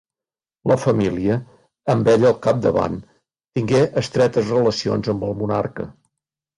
La família, amb ell al capdavant, tingué estretes relacions amb el monarca.